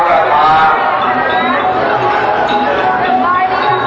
ทุกคนกลับมาเมื่อเวลาอาทิตย์สุดท้าย